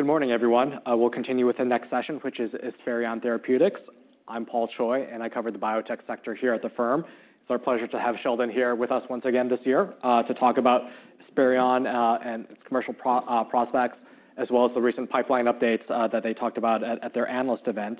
Good morning, everyone. We'll continue with the next session, which is Esperion Therapeutics. I'm Paul Choi, and I cover the biotech sector here at the firm. It's our pleasure to have Sheldon here with us once again this year to talk about Esperion and its commercial prospects, as well as the recent pipeline updates that they talked about at their analyst event.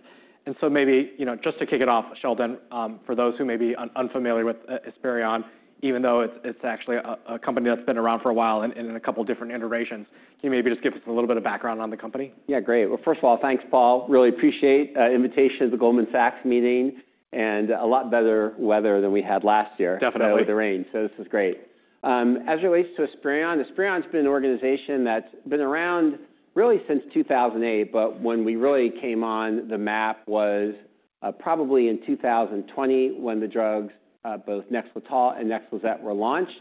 Maybe, you know, just to kick it off, Sheldon, for those who may be unfamiliar with Esperion, even though it's actually a company that's been around for a while and in a couple of different iterations, can you maybe just give us a little bit of background on the company? Yeah, great. First of all, thanks, Paul. Really appreciate the invitation to the Goldman Sachs meeting and a lot better weather than we had last year. Definitely. With the rain. This is great. As it relates to Esperion, Esperion's been an organization that's been around really since 2008, but when we really came on the map was probably in 2020 when the drugs, both Nexletol and Nexlizet, were launched.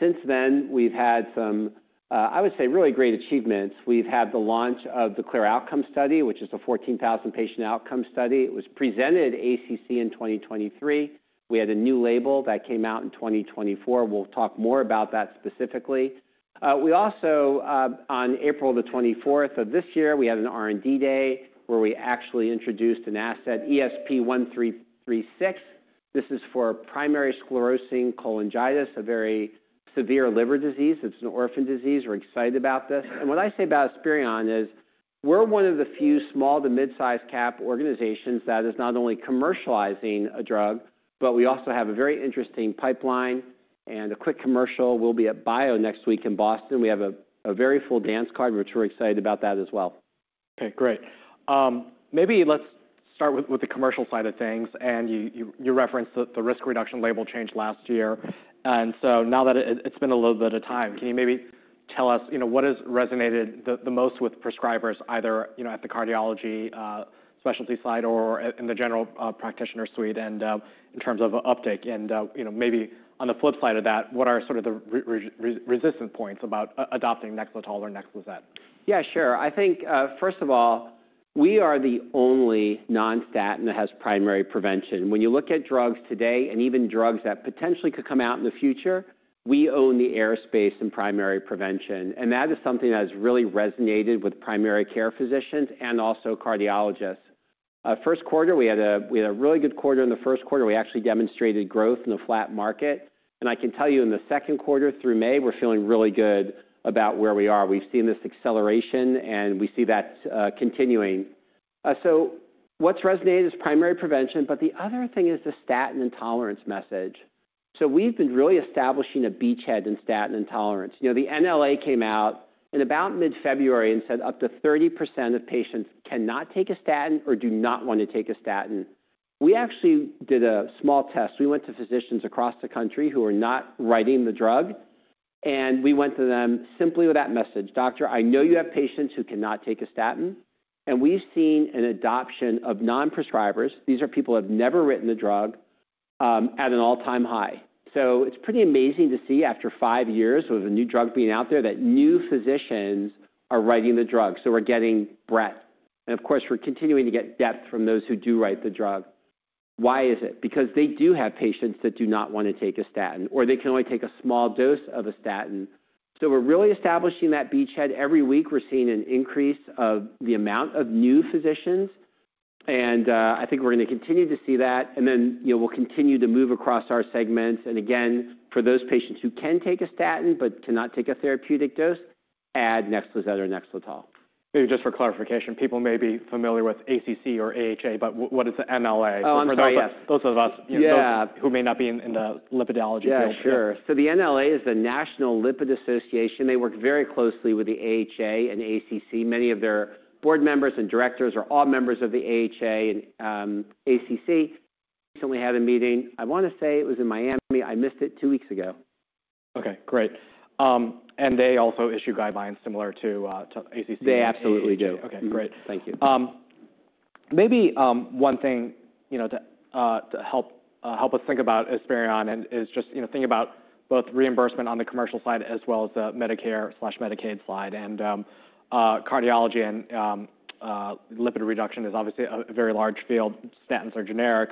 Since then, we've had some, I would say, really great achievements. We've had the launch of the CLEAR Outcome Study, which is a 14,000-patient outcome study. It was presented to ACC in 2023. We had a new label that came out in 2024. We'll talk more about that specifically. We also, on April the 24th of this year, we had an R&D day where we actually introduced an asset, ESP1336. This is for primary sclerosing cholangitis, a very severe liver disease. It's an orphan disease. We're excited about this. What I say about Esperion is we're one of the few small to mid-sized cap organizations that is not only commercializing a drug, but we also have a very interesting pipeline. A quick commercial. We'll be at Bio next week in Boston. We have a very full dance card, which we're excited about that as well. Okay, great. Maybe let's start with the commercial side of things. You referenced the risk reduction label change last year. Now that it's been a little bit of time, can you maybe tell us, you know, what has resonated the most with prescribers, either, you know, at the cardiology specialty side or in the general practitioner suite and in terms of uptake? You know, maybe on the flip side of that, what are sort of the resistance points about adopting Nexletol or Nexlizet? Yeah, sure. I think, first of all, we are the only non-statin that has primary prevention. When you look at drugs today and even drugs that potentially could come out in the future, we own the airspace in primary prevention. That is something that has really resonated with primary care physicians and also cardiologists. First quarter, we had a really good quarter. In the first quarter, we actually demonstrated growth in the flat market. I can tell you in the second quarter through May, we're feeling really good about where we are. We've seen this acceleration, and we see that continuing. What's resonated is primary prevention, but the other thing is the statin intolerance message. We've been really establishing a beachhead in statin intolerance. You know, the NLA came out in about mid-February and said up to 30% of patients cannot take a statin or do not want to take a statin. We actually did a small test. We went to physicians across the country who are not writing the drug. We went to them simply with that message, "Doctor, I know you have patients who cannot take a statin." We've seen an adoption of non-prescribers, these are people who have never written the drug, at an all-time high. It's pretty amazing to see after five years of a new drug being out there that new physicians are writing the drug. We're getting breadth. Of course, we're continuing to get depth from those who do write the drug. Why is it? Because they do have patients that do not want to take a statin or they can only take a small dose of a statin. We are really establishing that beachhead. Every week, we are seeing an increase of the amount of new physicians. I think we are going to continue to see that. You know, we will continue to move across our segments. Again, for those patients who can take a statin but cannot take a therapeutic dose, add Nexlizet or Nexletol. Just for clarification, people may be familiar with ACC or AHA, but what is the NLA? Oh, I'm sorry. Yes. For those of us who may not be in the lipidology field. Yeah, sure. The NLA is the National Lipid Association. They work very closely with the AHA and ACC. Many of their board members and directors are all members of the AHA and ACC. Recently had a meeting. I want to say it was in Miami. I missed it two weeks ago. Okay, great. They also issue guidelines similar to ACC. They absolutely do. Okay, great. Thank you. Maybe one thing, you know, to help us think about Esperion is just, you know, think about both reimbursement on the commercial side as well as the Medicare/Medicaid side. Cardiology and lipid reduction is obviously a very large field. Statins are generic.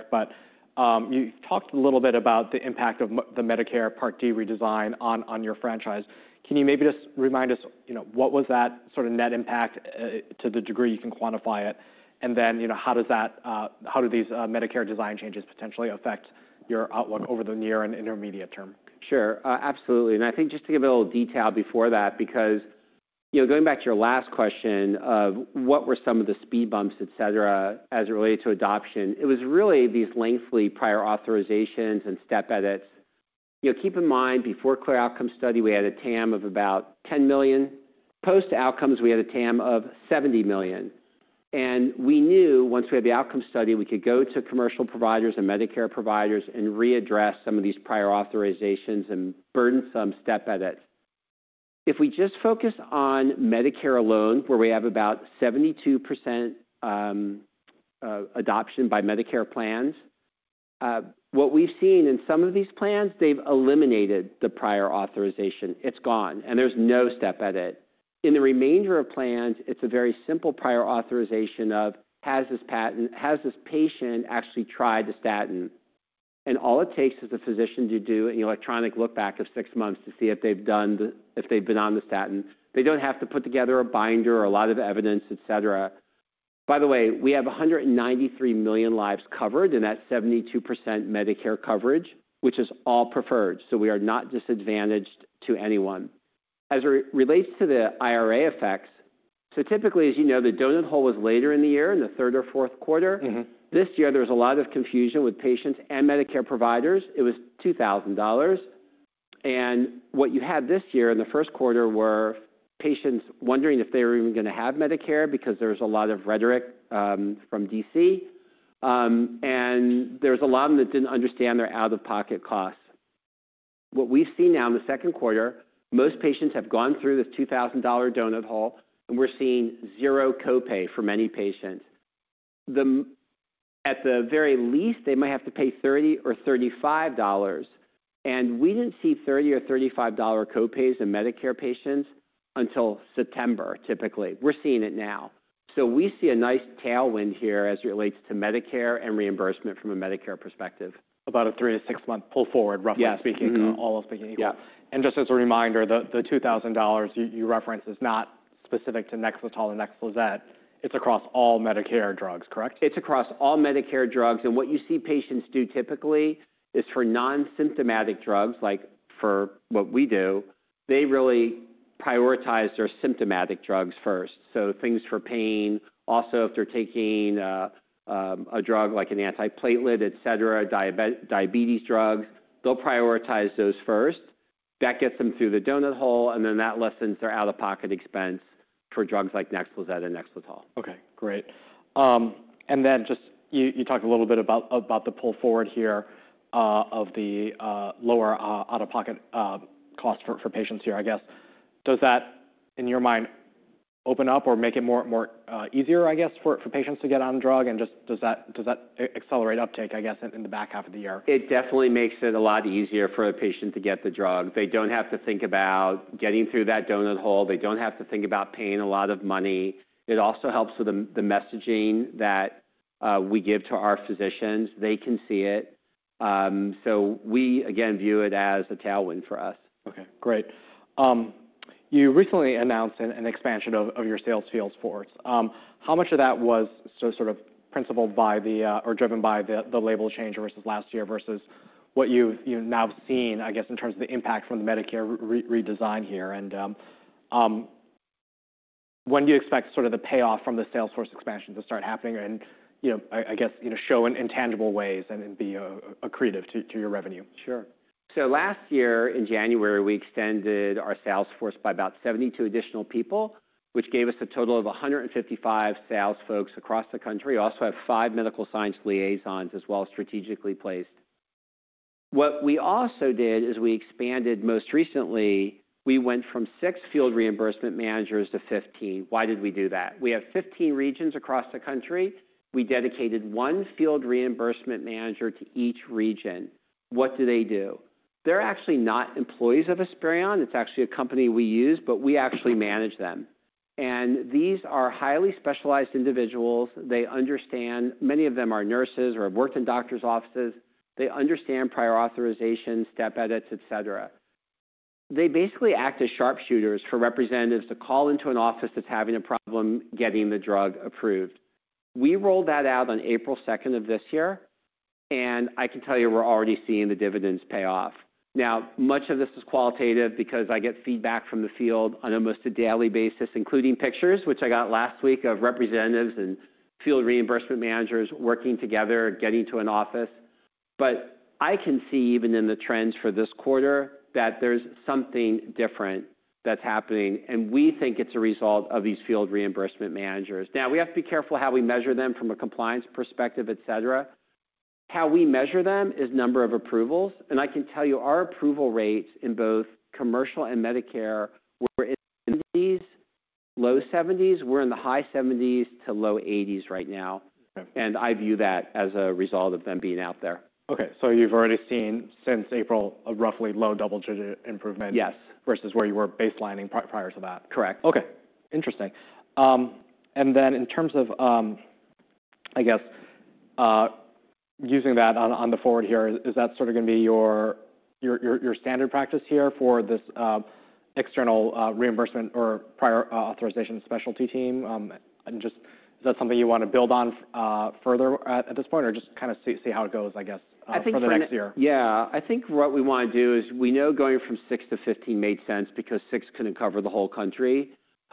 You talked a little bit about the impact of the Medicare Part D redesign on your franchise. Can you maybe just remind us, you know, what was that sort of net impact to the degree you can quantify it? How do these Medicare design changes potentially affect your outlook over the near and intermediate term? Sure. Absolutely. I think just to give a little detail before that, because, you know, going back to your last question of what were some of the speed bumps, et cetera, as it related to adoption, it was really these lengthy prior authorizations and step edits. You know, keep in mind, before CLEAR Outcome Study, we had a TAM of about 10 million. Post-outcomes, we had a TAM of 70 million. We knew once we had the outcome study, we could go to commercial providers and Medicare providers and readdress some of these prior authorizations and burdensome step edits. If we just focus on Medicare alone, where we have about 72% adoption by Medicare plans, what we've seen in some of these plans, they've eliminated the prior authorization. It's gone. There's no step edit. In the remainder of plans, it's a very simple prior authorization of, has this patient actually tried the statin? All it takes is a physician to do an electronic look back of six months to see if they've been on the statin. They don't have to put together a binder or a lot of evidence, et cetera. By the way, we have 193 million lives covered in that 72% Medicare coverage, which is all preferred. We are not disadvantaged to anyone. As it relates to the IRA effects, typically, as you know, the donut hole was later in the year, in the third or fourth quarter. This year, there was a lot of confusion with patients and Medicare providers. It was $2,000. What you had this year in the first quarter were patients wondering if they were even going to have Medicare because there was a lot of rhetoric from D.C. There was a lot of them that did not understand their out-of-pocket costs. What we have seen now in the second quarter, most patients have gone through this $2,000 donut hole, and we are seeing zero copay for many patients. At the very least, they might have to pay $30 or $35. We did not see $30 or $35 copays in Medicare patients until September, typically. We are seeing it now. We see a nice tailwind here as it relates to Medicare and reimbursement from a Medicare perspective. About a three- to six-month pull forward, roughly speaking, all of the people. Yeah. Just as a reminder, the $2,000 you referenced is not specific to Nexletol and Nexlizet. It is across all Medicare drugs, correct? It's across all Medicare drugs. What you see patients do typically is for non-symptomatic drugs, like for what we do, they really prioritize their symptomatic drugs first. Things for pain, also if they're taking a drug like an antiplatelet, et cetera, diabetes drugs, they'll prioritize those first. That gets them through the donut hole, and then that lessens their out-of-pocket expense for drugs like Nexlizet and Nexletol. Okay, great. You talked a little bit about the pull forward here of the lower out-of-pocket cost for patients here, I guess. Does that, in your mind, open up or make it more easier, I guess, for patients to get on a drug? Does that accelerate uptake, I guess, in the back half of the year? It definitely makes it a lot easier for a patient to get the drug. They don't have to think about getting through that donut hole. They don't have to think about paying a lot of money. It also helps with the messaging that we give to our physicians. They can see it. We, again, view it as a tailwind for us. Okay, great. You recently announced an expansion of your sales fields for us. How much of that was sort of principle by the or driven by the label change versus last year versus what you've now seen, I guess, in terms of the impact from the Medicare redesign here? When do you expect sort of the payoff from the sales force expansion to start happening? You know, I guess, you know, show in tangible ways and be accretive to your revenue. Sure. Last year, in January, we extended our sales force by about 72 additional people, which gave us a total of 155 sales folks across the country. We also have five medical science liaisons, as well as strategically placed. What we also did is we expanded most recently. We went from six field reimbursement managers to 15. Why did we do that? We have 15 regions across the country. We dedicated one field reimbursement manager to each region. What do they do? They're actually not employees of Esperion. It's actually a company we use, but we actually manage them. These are highly specialized individuals. They understand, many of them are nurses or have worked in doctors' offices. They understand prior authorizations, step edits, et cetera. They basically act as sharpshooters for representatives to call into an office that's having a problem getting the drug approved. We rolled that out on April 2nd of this year. I can tell you, we're already seeing the dividends pay off. Much of this is qualitative because I get feedback from the field on almost a daily basis, including pictures, which I got last week of representatives and field reimbursement managers working together, getting to an office. I can see even in the trends for this quarter that there's something different that's happening. We think it's a result of these field reimbursement managers. We have to be careful how we measure them from a compliance perspective, et cetera. How we measure them is number of approvals. I can tell you, our approval rates in both commercial and Medicare were in the 70%-low 70%. We're in the high 70%-low 80% right now. I view that as a result of them being out there. Okay. So you've already seen since April, roughly low double-digit improvement. Yes. Versus where you were baselining prior to that. Correct. Okay. Interesting. In terms of, I guess, using that on the forward here, is that sort of going to be your standard practice here for this external reimbursement or prior authorization specialty team? Is that something you want to build on further at this point or just kind of see how it goes, I guess, for the next year? I think so. Yeah. I think what we want to do is we know going from six to 15 made sense because six could not cover the whole country.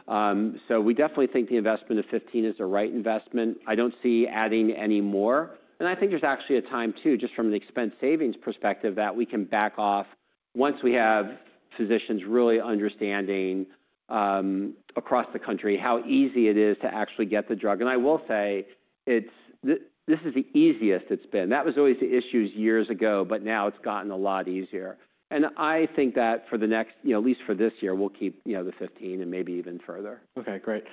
We definitely think the investment of 15 is the right investment. I do not see adding any more. I think there is actually a time too, just from the expense savings perspective, that we can back off once we have physicians really understanding across the country how easy it is to actually get the drug. I will say, this is the easiest it has been. That was always the issue years ago, but now it has gotten a lot easier. I think that for the next, you know, at least for this year, we will keep, you know, the 15 and maybe even further. Okay, great.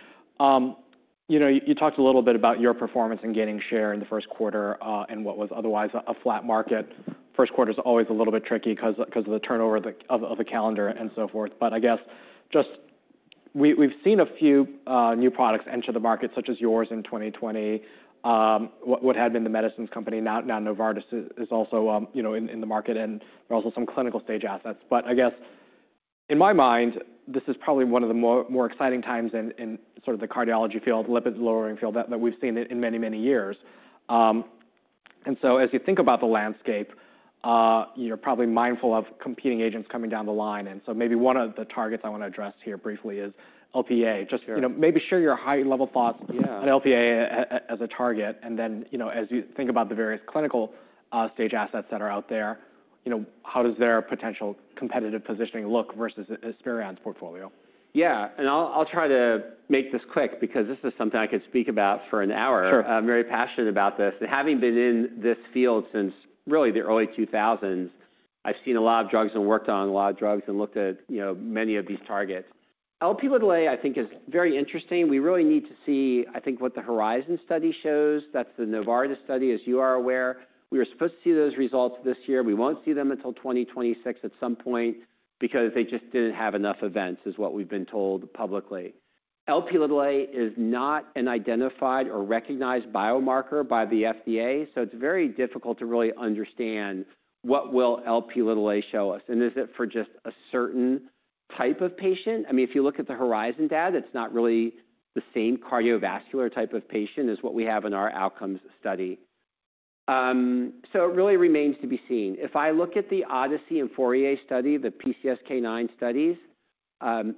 You know, you talked a little bit about your performance and gaining share in the first quarter and what was otherwise a flat market. First quarter is always a little bit tricky because of the turnover of the calendar and so forth. I guess just we've seen a few new products enter the market, such as yours in 2020, what had been The Medicines Company. Now Novartis is also, you know, in the market. There are also some clinical stage assets. I guess in my mind, this is probably one of the more exciting times in sort of the cardiology field, lipid lowering field that we've seen in many, many years. As you think about the landscape, you're probably mindful of competing agents coming down the line. Maybe one of the targets I want to address here briefly is Lp(a). Just, you know, maybe share your high-level thoughts on Lp(a) as a target. And then, you know, as you think about the various clinical stage assets that are out there, you know, how does their potential competitive positioning look versus Esperion's portfolio? Yeah. I'll try to make this quick because this is something I could speak about for an hour. Sure. I'm very passionate about this. Having been in this field since really the early 2000s, I've seen a lot of drugs and worked on a lot of drugs and looked at, you know, many of these targets. Lp(a), I think, is very interesting. We really need to see, I think, what the Horizon study shows. That is the Novartis study, as you are aware. We were supposed to see those results this year. We will not see them until 2026 at some point because they just did not have enough events, is what we have been told publicly. Lp(a) is not an identified or recognized biomarker by the FDA. It is very difficult to really understand what will Lp(a) show us. Is it for just a certain type of patient? I mean, if you look at the Horizon data, it's not really the same cardiovascular type of patient as what we have in our outcomes study. It really remains to be seen. If I look at the Odyssey and Fourier study, the PCSK9 studies,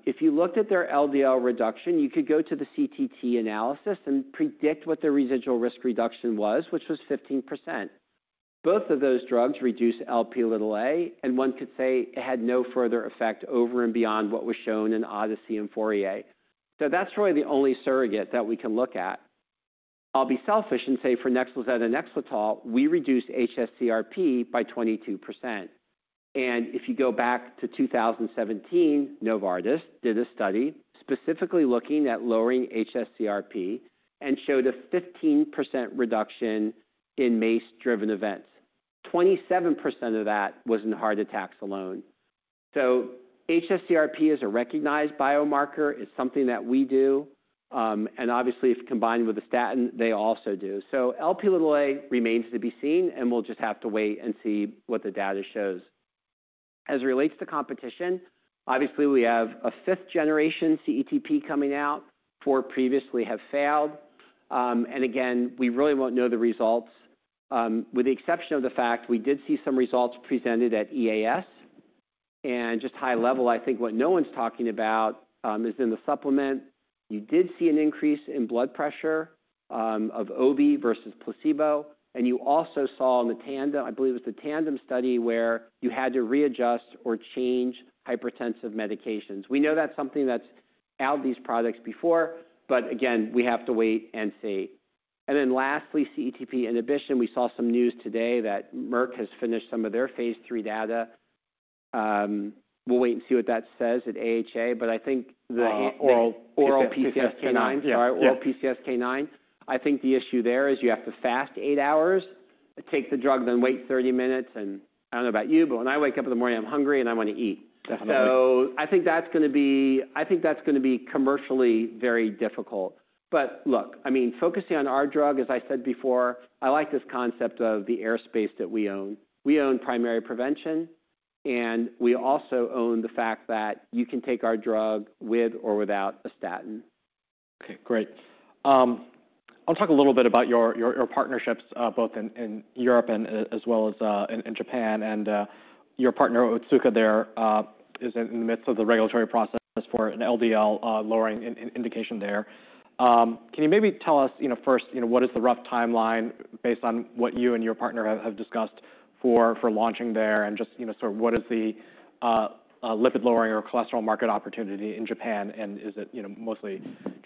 if you looked at their LDL reduction, you could go to the CTT analysis and predict what their residual risk reduction was, which was 15%. Both of those drugs reduce Lp(a), and one could say it had no further effect over and beyond what was shown in Odyssey and Fourier. That's really the only surrogate that we can look at. I'll be selfish and say for Nexletol and Nexlizet, we reduced hsCRP by 22%. If you go back to 2017, Novartis did a study specifically looking at lowering HS-CRP and showed a 15% reduction in MACE-driven events. 27% of that was in heart attacks alone. HS-CRP is a recognized biomarker. It is something that we do. Obviously, if combined with a statin, they also do. LP(a) remains to be seen, and we will just have to wait and see what the data shows. As it relates to competition, obviously, we have a fifth-generation CETP coming out where previously they have failed. We really will not know the results with the exception of the fact we did see some results presented at EAS. Just high level, I think what no one is talking about is in the supplement, you did see an increase in blood pressure of active versus placebo. You also saw in the TANDEM, I believe it was the TANDEM study, where you had to readjust or change hypertensive medications. We know that's something that's out these products before, but again, we have to wait and see. Lastly, CETP inhibition, we saw some news today that Merck has finished some of their phase three data. We'll wait and see what that says at AHA, but I think the oral PCSK9, sorry, oral PCSK9, I think the issue there is you have to fast eight hours, take the drug, then wait 30 minutes. I don't know about you, but when I wake up in the morning, I'm hungry and I want to eat. I think that's going to be, I think that's going to be commercially very difficult. Look, I mean, focusing on our drug, as I said before, I like this concept of the airspace that we own. We own primary prevention, and we also own the fact that you can take our drug with or without a statin. Okay, great. I'll talk a little bit about your partnerships both in Europe and as well as in Japan. Your partner, Otsuka there, is in the midst of the regulatory process for an LDL lowering indication there. Can you maybe tell us, you know, first, you know, what is the rough timeline based on what you and your partner have discussed for launching there? Just, you know, sort of what is the lipid lowering or cholesterol market opportunity in Japan? Is it, you know, mostly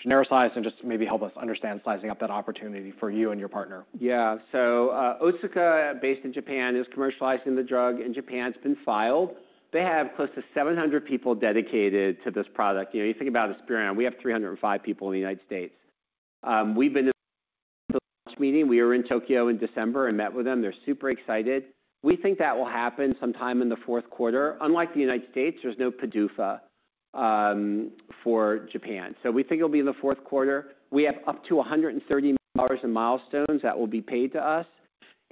genericized and just maybe help us understand sizing up that opportunity for you and your partner? Yeah. So Otsuka, based in Japan, is commercializing the drug. In Japan, it's been filed. They have close to 700 people dedicated to this product. You know, you think about Esperion. We have 305 people in the U.S. We've been in the launch meeting. We were in Tokyo in December and met with them. They're super excited. We think that will happen sometime in the fourth quarter. Unlike the U.S., there's no PDUFA for Japan. We think it'll be in the fourth quarter. We have up to $130 million in milestones that will be paid to us.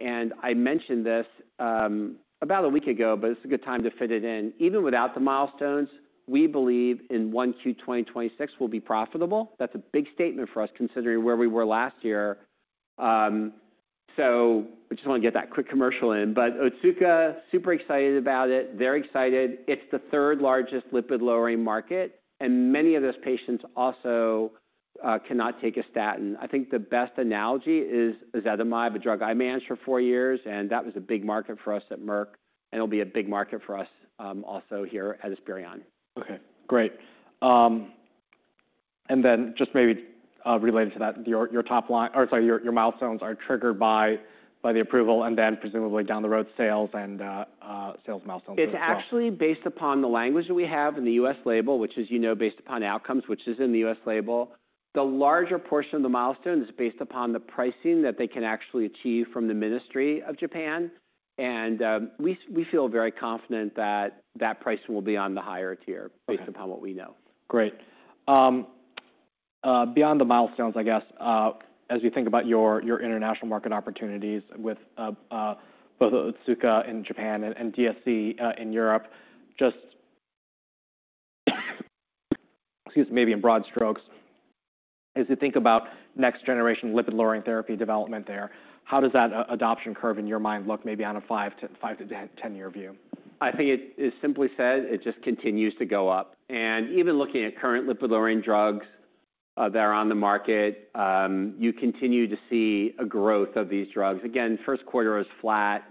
I mentioned this about a week ago, but it's a good time to fit it in. Even without the milestones, we believe in Q1 2026 we will be profitable. That's a big statement for us considering where we were last year. We just want to get that quick commercial in. Otsuka, super excited about it. They're excited. It's the third largest lipid lowering market. Many of those patients also cannot take a statin. I think the best analogy is ezetimibe, a drug I managed for four years. That was a big market for us at Merck. It'll be a big market for us also here at Esperion. Okay, great. Just maybe related to that, your top line, or sorry, your milestones are triggered by the approval and then presumably down the road sales and sales milestones. It's actually based upon the language that we have in the U.S. label, which is, you know, based upon outcomes, which is in the U.S. label. The larger portion of the milestones is based upon the pricing that they can actually achieve from the Ministry of Japan. And we feel very confident that that pricing will be on the higher tier based upon what we know. Great. Beyond the milestones, I guess, as we think about your international market opportunities with both Otsuka in Japan and Daiichi Sankyo in Europe, just excuse me, maybe in broad strokes, as you think about next-generation lipid-lowering therapy development there, how does that adoption curve in your mind look maybe on a five - to 10-year view? I think it is simply said, it just continues to go up. Even looking at current lipid-lowering drugs that are on the market, you continue to see a growth of these drugs. Again, first quarter is flat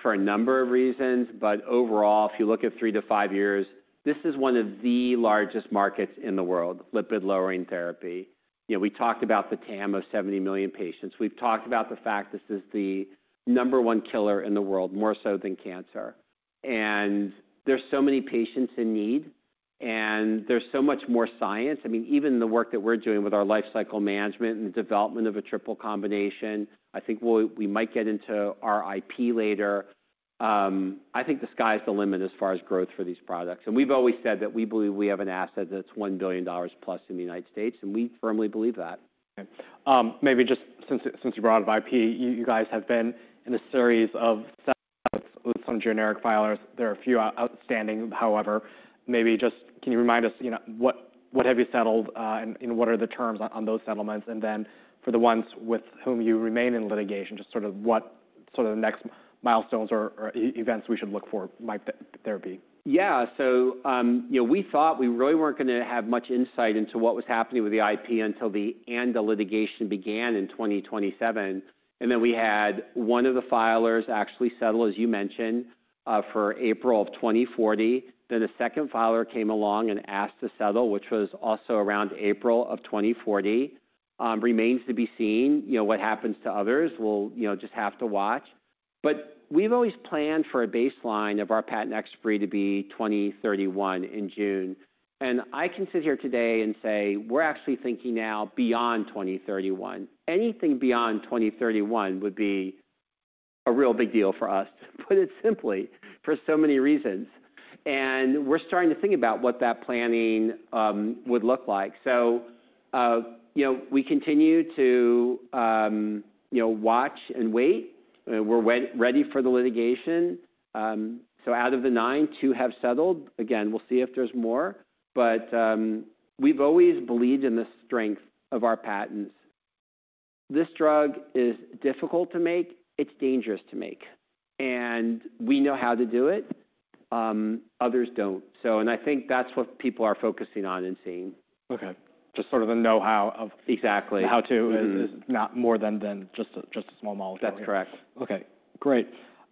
for a number of reasons. Overall, if you look at three to five years, this is one of the largest markets in the world, lipid-lowering therapy. You know, we talked about the TAM of 70 million patients. We've talked about the fact this is the number one killer in the world, more so than cancer. There are so many patients in need. There is so much more science. I mean, even the work that we're doing with our life cycle management and the development of a triple combination, I think we might get into RIP later. I think the sky's the limit as far as growth for these products. We've always said that we believe we have an asset that's $1 billion plus in the U.S. We firmly believe that. Okay. Maybe just since you brought up IP, you guys have been in a series of some generic filers. There are a few outstanding, however. Maybe just can you remind us, you know, what have you settled and what are the terms on those settlements? And then for the ones with whom you remain in litigation, just sort of what sort of the next milestones or events we should look for might there be? Yeah. So, you know, we thought we really weren't going to have much insight into what was happening with the IP until the end of litigation began in 2027. And then we had one of the filers actually settle, as you mentioned, for April of 2040. Then a second filer came along and asked to settle, which was also around April of 2040. Remains to be seen. You know, what happens to others, we'll, you know, just have to watch. But we've always planned for a baseline of our patent expiry to be 2031 in June. And I can sit here today and say we're actually thinking now beyond 2031. Anything beyond 2031 would be a real big deal for us, put it simply, for so many reasons. And we're starting to think about what that planning would look like. You know, we continue to, you know, watch and wait. We're ready for the litigation. Out of the nine, two have settled. Again, we'll see if there's more. We've always believed in the strength of our patents. This drug is difficult to make. It's dangerous to make. We know how to do it. Others don't. I think that's what people are focusing on and seeing. Okay. Just sort of the know-how of. Exactly. How to is not more than just a small molecule. That's correct. Okay. Great.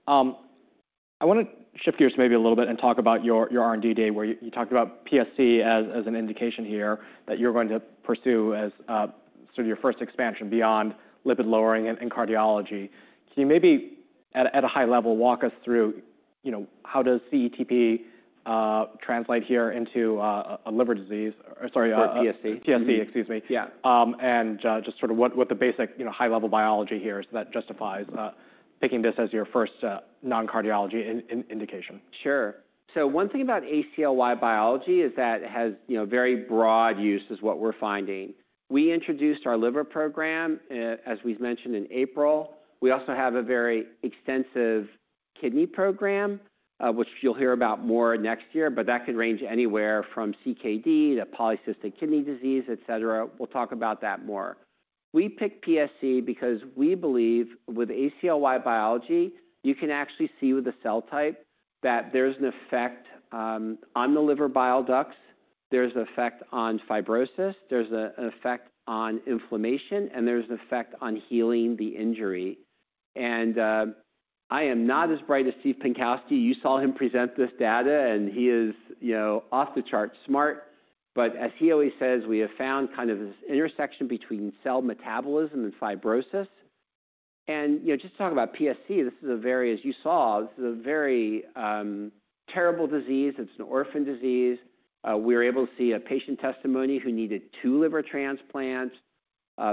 I want to shift gears maybe a little bit and talk about your R&D day where you talked about PSC as an indication here that you're going to pursue as sort of your first expansion beyond lipid lowering and cardiology. Can you maybe at a high level walk us through, you know, how does CETP translate here into a liver disease? Sorry. Or PSC. PSC, excuse me. Yeah. Just sort of what the basic, you know, high-level biology here is that justifies picking this as your first non-cardiology indication? Sure. One thing about ACLY biology is that it has, you know, very broad use is what we're finding. We introduced our liver program, as we've mentioned, in April. We also have a very extensive kidney program, which you'll hear about more next year, but that could range anywhere from CKD to polycystic kidney disease, et cetera. We'll talk about that more. We picked PSC because we believe with ACLY biology, you can actually see with the cell type that there's an effect on the liver bile ducts. There's an effect on fibrosis. There's an effect on inflammation, and there's an effect on healing the injury. I am not as bright as Steve Pinkowski. You saw him present this data, and he is, you know, off the chart smart. As he always says, we have found kind of this intersection between cell metabolism and fibrosis. You know, just talk about PSC. This is a very, as you saw, this is a very terrible disease. It's an orphan disease. We were able to see a patient testimony who needed two liver transplants.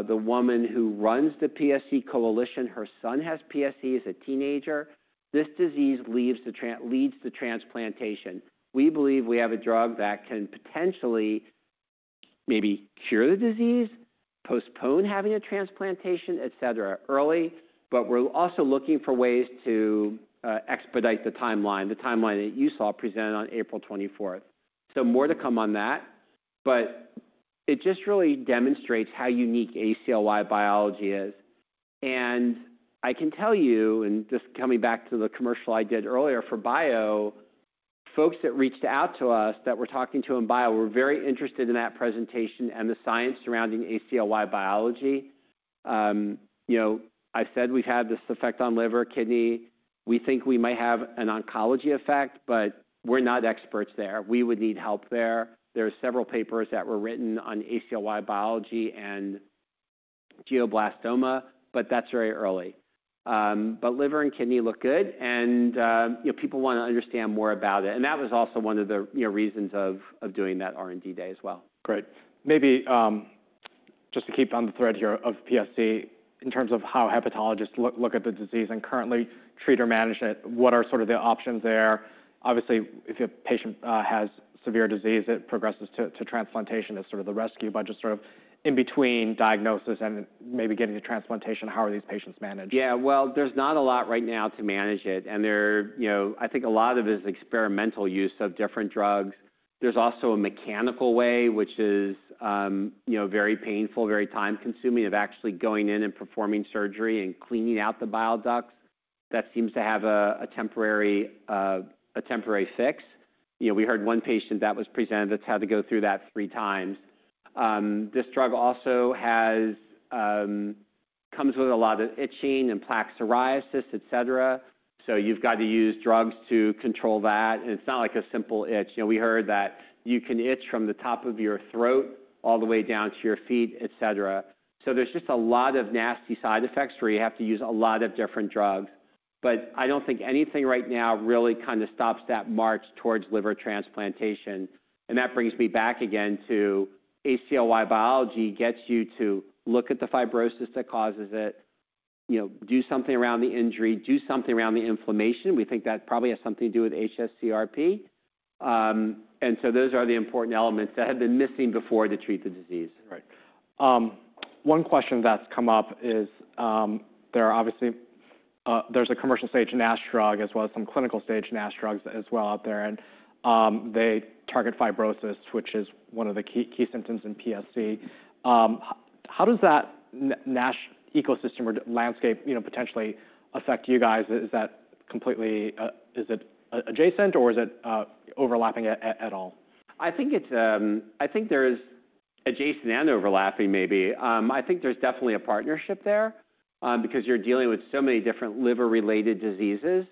The woman who runs the PSC coalition, her son has PSC as a teenager. This disease leads to transplantation. We believe we have a drug that can potentially maybe cure the disease, postpone having a transplantation, et cetera, early. We are also looking for ways to expedite the timeline, the timeline that you saw presented on April 24th. More to come on that. It just really demonstrates how unique ACLY biology is. I can tell you, just coming back to the commercial I did earlier for BIO, folks that reached out to us that we were talking to them in BIO were very interested in that presentation and the science surrounding ACLY biology. You know, I've said we've had this effect on liver, kidney. We think we might have an oncology effect, but we're not experts there. We would need help there. There are several papers that were written on ACLY biology and glioblastoma, but that's very early. Liver and kidney look good. You know, people want to understand more about it. That was also one of the reasons of doing that R&D day as well. Great. Maybe just to keep on the thread here of PSC in terms of how hepatologists look at the disease and currently treat or manage it, what are sort of the options there? Obviously, if a patient has severe disease, it progresses to transplantation as sort of the rescue, but just sort of in between diagnosis and maybe getting to transplantation, how are these patients managed? Yeah, there is not a lot right now to manage it. And there, you know, I think a lot of it is experimental use of different drugs. There is also a mechanical way, which is, you know, very painful, very time-consuming, of actually going in and performing surgery and cleaning out the bile ducts. That seems to have a temporary fix. You know, we heard one patient that was presented that has had to go through that three times. This drug also comes with a lot of itching and plaque psoriasis, et cetera. So you have to use drugs to control that. And it is not like a simple itch. You know, we heard that you can itch from the top of your throat all the way down to your feet, et cetera. There are just a lot of nasty side effects where you have to use a lot of different drugs. I do not think anything right now really kind of stops that march towards liver transplantation. That brings me back again to ACLY biology, gets you to look at the fibrosis that causes it, you know, do something around the injury, do something around the inflammation. We think that probably has something to do with hsCRP. Those are the important elements that have been missing before to treat the disease. Right. One question that's come up is there are obviously, there's a commercial stage NASH drug as well as some clinical stage NASH drugs as well out there. And they target fibrosis, which is one of the key symptoms in PSC. How does that NASH ecosystem or landscape, you know, potentially affect you guys? Is that completely, is it adjacent or is it overlapping at all? I think it's, I think there is adjacent and overlapping maybe. I think there's definitely a partnership there because you're dealing with so many different liver-related diseases.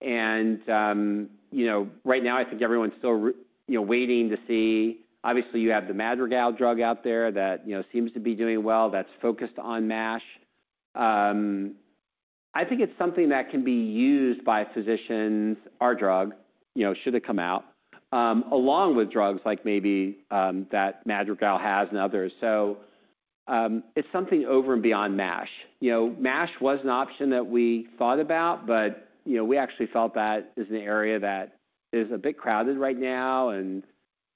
You know, right now, I think everyone's still, you know, waiting to see. Obviously, you have the Madrigal drug out there that, you know, seems to be doing well that's focused on NASH. I think it's something that can be used by physicians. Our drug, you know, should have come out along with drugs like maybe that Madrigal has and others. It's something over and beyond NASH. You know, NASH was an option that we thought about, but, you know, we actually felt that is an area that is a bit crowded right now.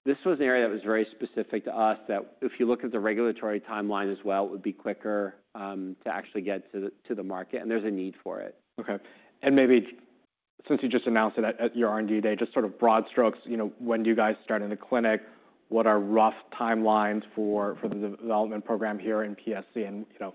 This was an area that was very specific to us that if you look at the regulatory timeline as well, it would be quicker to actually get to the market. There is a need for it. Okay. Maybe since you just announced it at your R&D day, just sort of broad strokes, you know, when do you guys start in the clinic? What are rough timelines for the development program here in PSC? You know,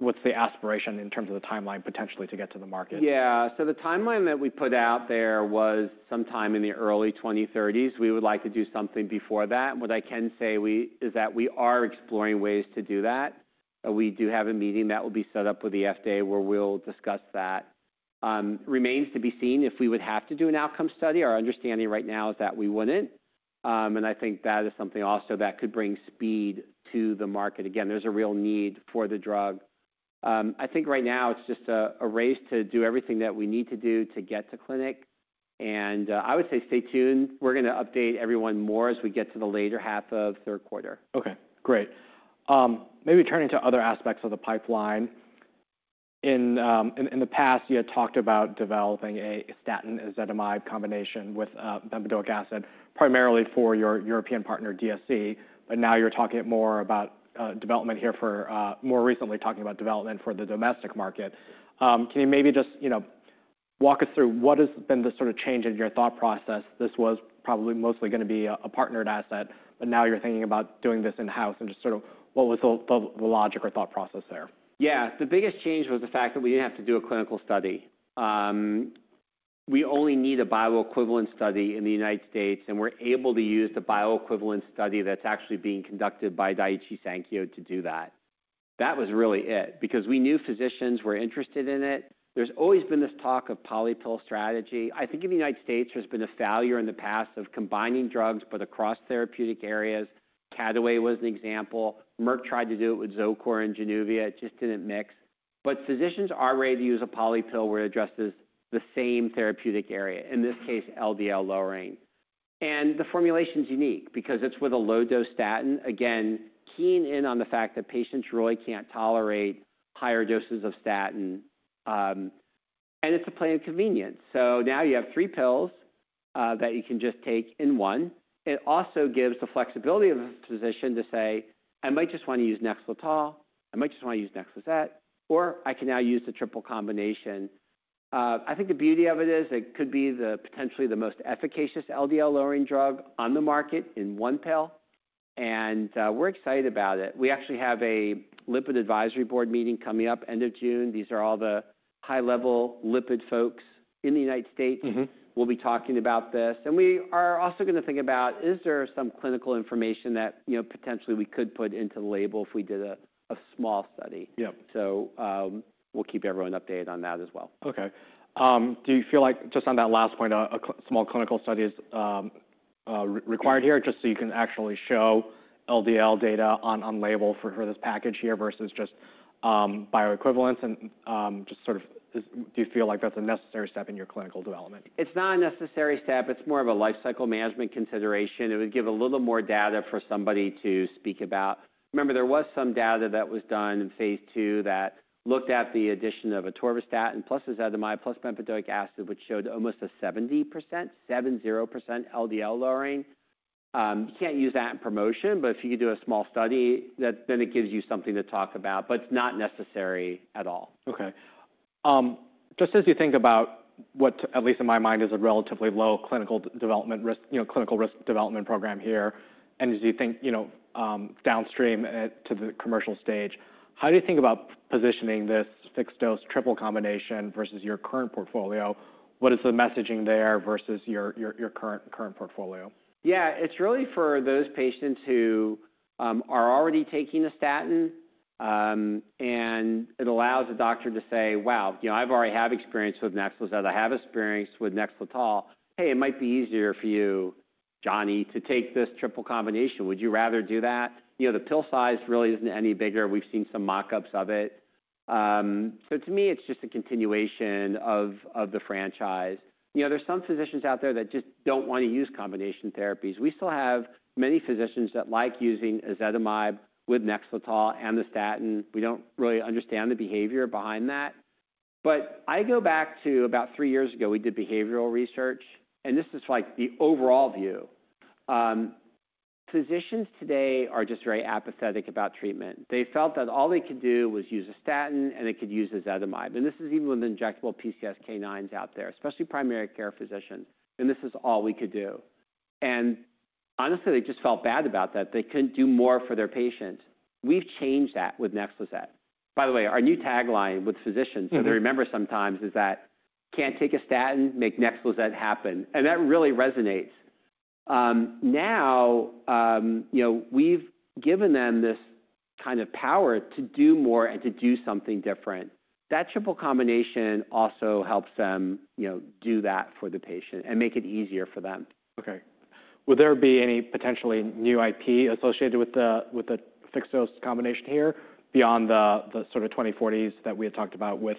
what's the aspiration in terms of the timeline potentially to get to the market? Yeah. The timeline that we put out there was sometime in the early 2030s. We would like to do something before that. What I can say is that we are exploring ways to do that. We do have a meeting that will be set up with the FDA where we'll discuss that. Remains to be seen if we would have to do an outcome study. Our understanding right now is that we wouldn't. I think that is something also that could bring speed to the market. Again, there's a real need for the drug. I think right now it's just a race to do everything that we need to do to get to clinic. I would say stay tuned. We're going to update everyone more as we get to the later half of third quarter. Okay. Great. Maybe turning to other aspects of the pipeline. In the past, you had talked about developing a statin ezetimibe combination with bempedoic acid primarily for your European partner Daiichi Sankyo. Now you're talking more about development here for, more recently talking about development for the domestic market. Can you maybe just, you know, walk us through what has been the sort of change in your thought process? This was probably mostly going to be a partnered asset, but now you're thinking about doing this in-house and just sort of what was the logic or thought process there? Yeah. The biggest change was the fact that we didn't have to do a clinical study. We only need a bioequivalent study in the United States. We're able to use the bioequivalent study that's actually being conducted by Daiichi Sankyo to do that. That was really it because we knew physicians were interested in it. There's always been this talk of polypill strategy. I think in the United States, there's been a failure in the past of combining drugs, but across therapeutic areas. CataWay was an example. Merck tried to do it with Zocor and Januvia. It just didn't mix. Physicians are ready to use a polypill where it addresses the same therapeutic area, in this case, LDL lowering. The formulation is unique because it's with a low-dose statin, again, keying in on the fact that patients really can't tolerate higher doses of statin. It is a plan of convenience. Now you have three pills that you can just take in one. It also gives the flexibility of a physician to say, "I might just want to use Nexletol. I might just want to use Nexlizet, or I can now use the triple combination." I think the beauty of it is it could be potentially the most efficacious LDL lowering drug on the market in one pill. We are excited about it. We actually have a lipid advisory board meeting coming up end of June. These are all the high-level lipid folks in the United States. We will be talking about this. We are also going to think about, is there some clinical information that, you know, potentially we could put into the label if we did a small study? Yeah. We'll keep everyone updated on that as well. Okay. Do you feel like just on that last point, a small clinical study is required here just so you can actually show LDL data on label for this package here versus just bioequivalents? And just sort of do you feel like that's a necessary step in your clinical development? It's not a necessary step. It's more of a lifecycle management consideration. It would give a little more data for somebody to speak about. Remember, there was some data that was done in phase two that looked at the addition of atorvastatin plus ezetimibe plus bempedoic acid, which showed almost a 70% LDL lowering. You can't use that in promotion, but if you could do a small study, then it gives you something to talk about, but it's not necessary at all. Okay. Just as you think about what, at least in my mind, is a relatively low clinical development risk, you know, clinical risk development program here, and as you think, you know, downstream to the commercial stage, how do you think about positioning this fixed dose triple combination versus your current portfolio? What is the messaging there versus your current portfolio? Yeah. It's really for those patients who are already taking a statin. It allows a doctor to say, "Wow, you know, I already have experience with Nexlizet. I have experience with Nexletol. Hey, it might be easier for you, Johnny, to take this triple combination. Would you rather do that?" You know, the pill size really isn't any bigger. We've seen some mockups of it. To me, it's just a continuation of the franchise. You know, there are some physicians out there that just don't want to use combination therapies. We still have many physicians that like using ezetimibe with Nexletol and the statin. We don't really understand the behavior behind that. I go back to about three years ago, we did behavioral research. This is like the overall view. Physicians today are just very apathetic about treatment. They felt that all they could do was use a statin and they could use ezetimibe. This is even with injectable PCSK9s out there, especially primary care physicians. This is all we could do. Honestly, they just felt bad about that. They could not do more for their patients. We have changed that with Nexlizet. By the way, our new tagline with physicians that they remember sometimes is that, "Can't take a statin, make Nexlizet happen." That really resonates. Now, you know, we have given them this kind of power to do more and to do something different. That triple combination also helps them, you know, do that for the patient and make it easier for them. Okay. Will there be any potentially new IP associated with the fixed dose combination here beyond the sort of 2040s that we had talked about with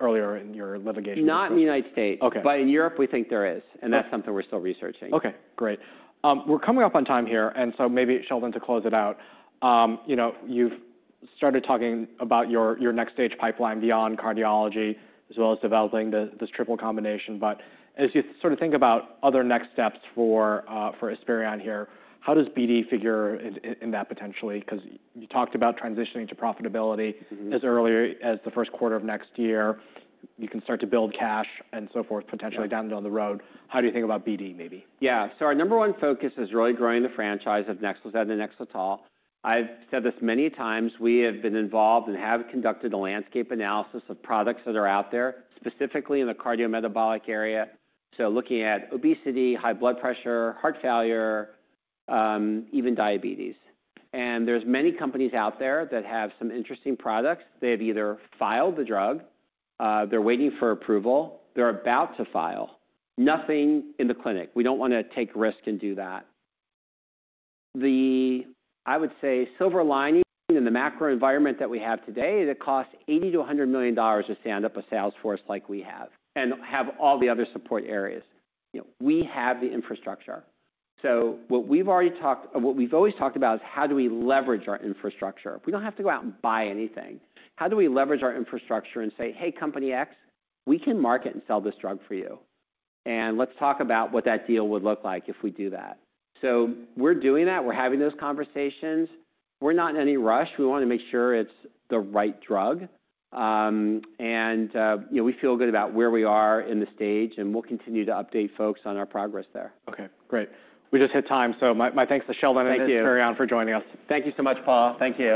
earlier in your litigation? Not in the U.S. Okay. In Europe, we think there is. And that's something we're still researching. Okay. Great. We're coming up on time here. Maybe Sheldon, to close it out, you know, you've started talking about your next stage pipeline beyond cardiology as well as developing this triple combination. As you sort of think about other next steps for Esperion here, how does BD figure in that potentially? You talked about transitioning to profitability as early as the first quarter of next year. You can start to build cash and so forth potentially down the road. How do you think about BD maybe? Yeah. Our number one focus is really growing the franchise of Nexlizet and Nexletol. I've said this many times. We have been involved and have conducted a landscape analysis of products that are out there specifically in the cardiometabolic area. Looking at obesity, high blood pressure, heart failure, even diabetes. There are many companies out there that have some interesting products. They've either filed the drug, they're waiting for approval, they're about to file. Nothing in the clinic. We don't want to take risk and do that. I would say the silver lining in the macro environment that we have today, it costs $80 million-$100 million to stand up a Salesforce like we have and have all the other support areas. You know, we have the infrastructure. What we've already talked, what we've always talked about is how do we leverage our infrastructure? We don't have to go out and buy anything. How do we leverage our infrastructure and say, "Hey, company X, we can market and sell this drug for you. And let's talk about what that deal would look like if we do that." We are doing that. We are having those conversations. We are not in any rush. We want to make sure it's the right drug. You know, we feel good about where we are in the stage. We will continue to update folks on our progress there. Okay. Great. We just hit time. So my thanks to Sheldon and Esperion for joining us. Thank you so much, Paul. Thank you.